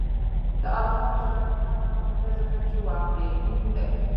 د علامه رشاد لیکنی هنر مهم دی ځکه چې واقعبین دی.